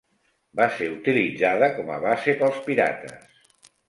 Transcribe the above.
Va ser utilitzada com a base pels pirates.